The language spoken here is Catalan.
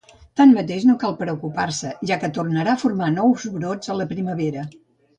Tanmateix no cal preocupar-se, ja que tornarà a formar nous brots a la primavera.